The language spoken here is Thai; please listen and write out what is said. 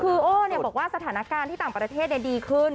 คือโอ้บอกว่าสถานการณ์ที่ต่างประเทศดีขึ้น